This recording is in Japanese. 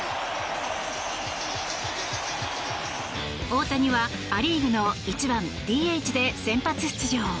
大谷はア・リーグの１番ＤＨで先発出場。